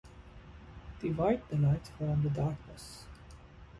divide the light from the darkness